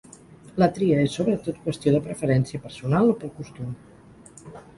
La tria és sobretot qüestió de preferència personal o pel costum.